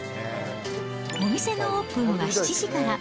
お店のオープンは７時から。